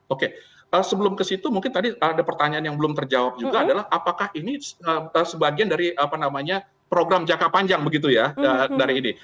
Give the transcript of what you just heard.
oke sebelum ke situ mungkin tadi ada pertanyaan yang belum terjawab juga adalah apakah ini sebagian dari program jangka panjang begitu ya dari ini